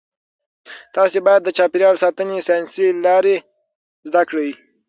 تاسي باید د چاپیریال ساتنې ساینسي لارې زده کړئ.